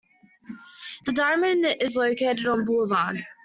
The Diamond is located on Boulevard.